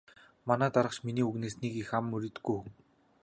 Манай дарга ч миний үгнээс нэг их ам мурийдаггүй хүн.